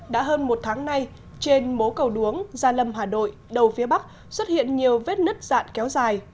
đã hơn một tháng nay trên mố cầu đuống gia lâm hà nội đầu phía bắc xuất hiện nhiều vết nứt dạn kéo dài